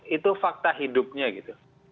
itu fakta hidupnya gitu